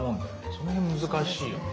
その辺難しいよね。